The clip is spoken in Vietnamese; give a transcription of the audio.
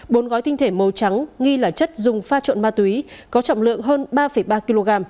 bốn gói tinh thể màu trắng nghi là chất dùng pha trộn ma túy có trọng lượng hơn ba ba kg